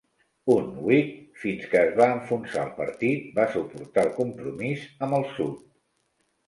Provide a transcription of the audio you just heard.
Un Whig fins que es va enfonsar el partit, va suportar el compromís amb el sud.